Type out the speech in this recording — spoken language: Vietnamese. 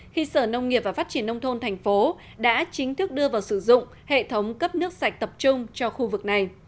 khi sở nông nghiệp và phát triển nông thôn thành phố đã chính thức đưa vào sử dụng hệ thống cấp nước sạch tập trung cho khu vực này